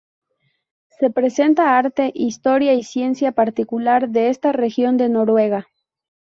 Se presenta arte, historia y ciencia particular de esta región de Noruega.